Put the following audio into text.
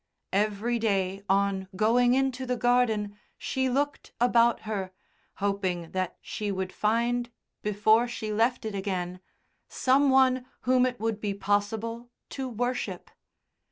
Every day on going into the garden she looked about her, hoping that she would find before she left it again some one whom it would be possible to worship.